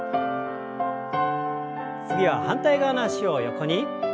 次は反対側の脚を横に。